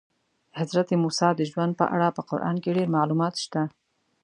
د حضرت موسی د ژوند په اړه په قرآن کې ډېر معلومات شته.